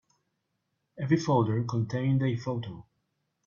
Every folder contained a photo.